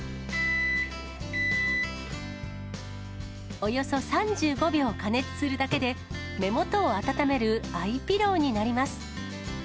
およそ３５秒加熱するだけで、目元を温めるアイピローになります。